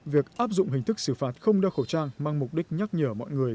việc áp dụng hình thức xử phạt không đeo khẩu trang mang mục đích nhắc nhở mọi người